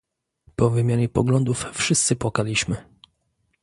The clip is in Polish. Po wymianie poglądów, wszyscy płakaliśmy